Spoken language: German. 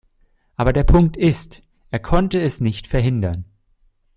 Aber der Punkt ist, er konnte es nicht verhindern.